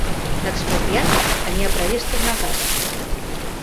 L'expatriat tenia previst tornar a casa.